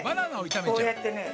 こうやってね。